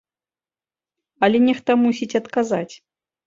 Але нехта мусіць адказаць.